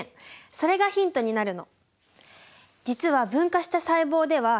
それがヒントになるの。